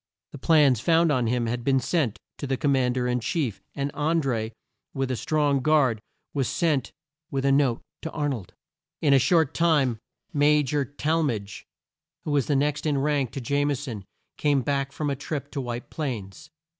The plans found on him had been sent to the Com mand er in chief, and An dré, with a strong guard was sent with the note to Ar nold. In a short time, Ma jor Tall madge, who was next in rank to Jame son, came back from a trip to White Plains.